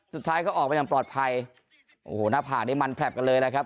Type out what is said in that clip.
สุดท้ายเขาออกมาอย่างปลอดภัยโอ้โหหน้าผากนี่มันแผลบกันเลยนะครับ